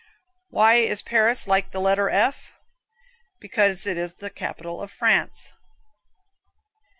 Why Paris like the letter F? Because it is the capital of France.